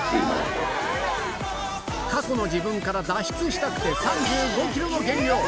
過去の自分から脱出したくて３５ｋｇの減量